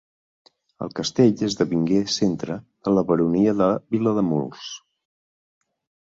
El castell esdevingué centre de la baronia de Vilademuls.